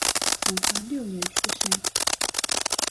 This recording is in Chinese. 成化六年出生。